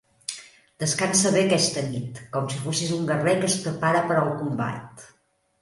Descansa bé aquesta nit, com si fossis un guerrer que es prepara per al combat.